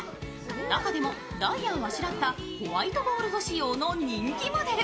中でもダイヤをあしらったホワイトゴールド仕様の人気モデル。